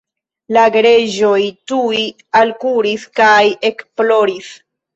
La gereĝoj tuj alkuris kaj ekploris.